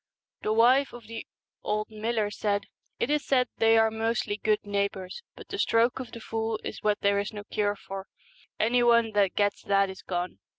The wife of the old miller said, 'It is said they are mostly good neighbours, but the stroke of the fool is what there is no cure for ; any one that gets that is gone.